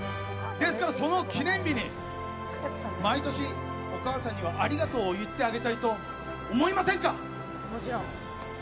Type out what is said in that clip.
ですからその記念日に毎年、お母さんにはありがとうを言ってあげたいと思いませんか？